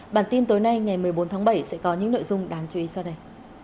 bản tin tối nay ngày một mươi bốn tháng bảy sẽ có những nội dung đáng chú ý sau đây